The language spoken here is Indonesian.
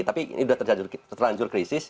tapi ini sudah terlanjur krisis